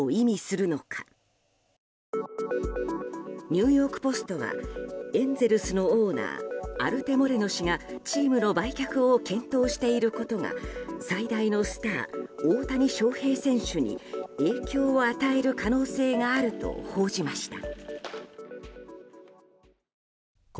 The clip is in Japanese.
ニューヨーク・ポストはエンゼルスのオーナーアルテ・モレノ氏が、チームの売却を検討していることが最大のスター、大谷翔平選手に影響を与える可能性があると報じました。